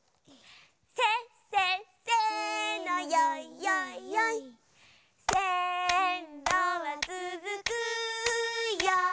せっせっせのよいよいよい「せんろはつづくよ